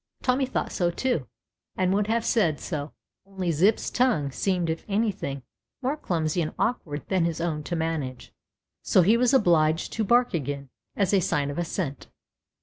Tommy thought so too and would have said so, only Zip's tongue seemed if anything more clumsy and awk ward than his own to manage, so he was obliged to TOMMY. bark again as a sign of assent.